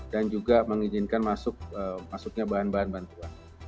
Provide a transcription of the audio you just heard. dan juga mengizinkan masuknya bahan bahan bantuan